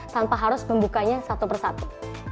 tanpa harus membukanya satu persatu